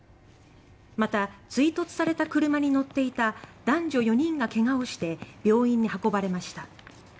また追突された車に乗っていた男女４人がけがをして病院に運ばれました。